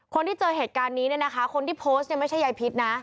คนที่เจอเหตุการณ์นี้เนี่ยนะคะคนที่โพสต์เนี่ยไม่ใช่ยายพิษนะ